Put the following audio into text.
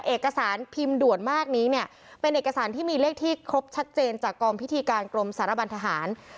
เอกสารพิมพ์ด่วนมากนี้เนี่ยเป็นเอกสารที่มีเลขที่ครบชัดเจนจากกองพิธีการกรมสารบันทหาร